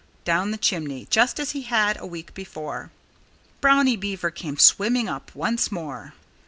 down the chimney, just as he had a week before. Brownie Beaver came swimming up once more.